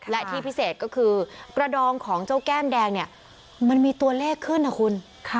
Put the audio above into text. และที่พิเศษก็คือกระดองของเจ้าแก้มแดงเนี่ยมันมีตัวเลขขึ้นนะคุณ